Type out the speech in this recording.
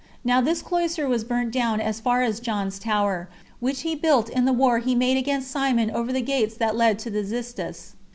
Now this cloister was burnt down as far as John's tower, which he built in the war he made against Simon over the gates that led to the Xystus.